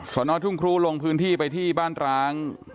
นทุ่งครูลงพื้นที่ไปที่บ้านร้าง